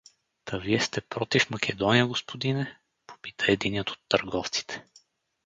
— Та вие сте против Македония, господине? — попита единият от търговците.